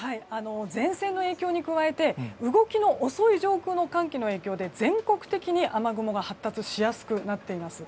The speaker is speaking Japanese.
前線の影響に加えて動きの遅い上空の寒気の影響で全国的に雨雲が発達しやすくなっています。